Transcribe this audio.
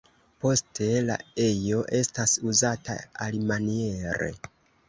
Poste la ejo estas uzata alimaniere.